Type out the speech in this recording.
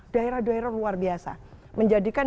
daerah daerah luar biasa menjadikan